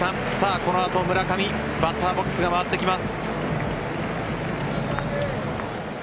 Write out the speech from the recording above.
この後、村上にバッターボックスが回ってきます。